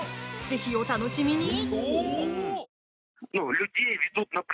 ぜひ、お楽しみに！